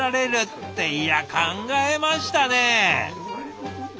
っていや考えましたね！